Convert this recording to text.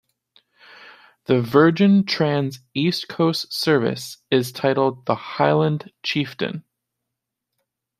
The Virgin Trains East Coast service is titled 'The Highland Chieftain'.